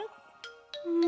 うん。